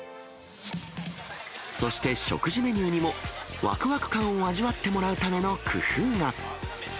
そして食事メニューにもわくわく感を味わってもらうための工夫が。